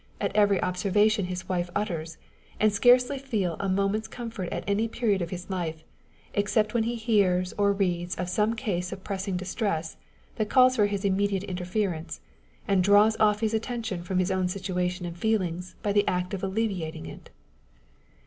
at every obser vation his wife utters, and scarcely feel a moment's com fort at any period of his life, except when he hears or reads of some case of pressing distress that calls for his immediate interference, and draws off his attention from his own situation and feelings by the act of alleviating it.